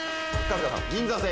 銀座線。